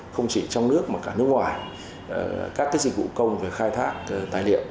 không chỉ trong nước mà cả nước ngoài các dịch vụ công về khai thác tài liệu